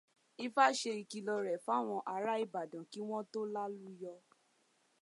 Ifá ṣe ìkìlọ̀ rẹ̀ fáwọn ará Ibadan kí wọ́n tó làlùyọ.